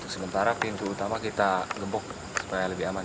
sementara pintu utama kita gembok supaya lebih aman